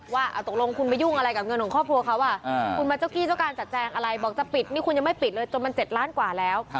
ว่าตกลงคุณมายุ่งอะไรกับเงินของครอบครัวเขาคุณมาเจ้ากี้เจ้าการจัดแจงอะไรบอกจะปิดนี่คุณยังไม่ปิดเลยจนมัน๗ล้านกว่าแล้ว